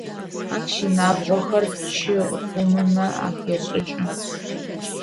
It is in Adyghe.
Ащ инабгъохэр чы гъумымэ ахешӏыкӏы.